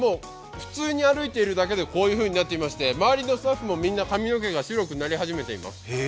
普通に歩いているだけでこういうふうになっていまして、周りのスタッフもみんな髪の毛が白くなり始めています。